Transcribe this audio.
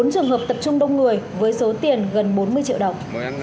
bốn trường hợp tập trung đông người với số tiền gần bốn mươi triệu đồng